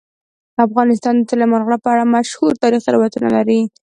افغانستان د سلیمان غر په اړه مشهور تاریخی روایتونه لري.